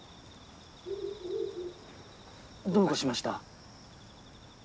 どうかしました？